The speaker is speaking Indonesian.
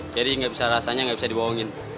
jadi gak bisa rasanya gak bisa dibawangin